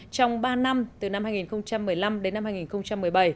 trong ba năm từ năm hai nghìn một mươi năm đến năm hai nghìn một mươi bảy